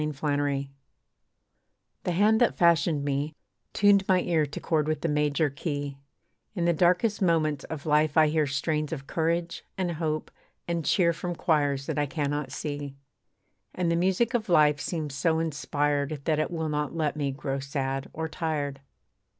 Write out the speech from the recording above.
LIFE'S KEY The hand that fashioned me, tuned my ear To chord with the major key, In the darkest moments of life I hear Strains of courage, and hope, and cheer From choirs that I cannot see. And the music of life seems so inspired That it will not let me grow sad or tired.